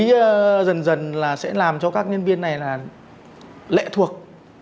quý dần dần sẽ làm cho các nhân viên này lệ thuộc